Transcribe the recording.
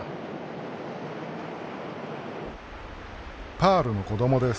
パールの子どもです。